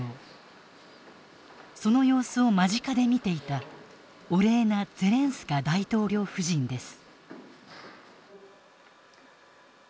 その様子を間近で見ていたオレーナ・ゼレンスカ大統領夫人です。